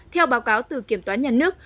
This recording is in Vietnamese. theo báo cáo từ kiểm toán nhà nước